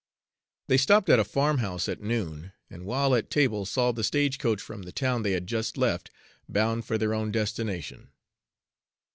They stopped at a farm house at noon, and while at table saw the stage coach from the town they had just left, bound for their own destination.